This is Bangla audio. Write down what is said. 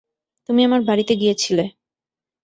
তুমি আমার বাড়িতে গিয়েছিলে।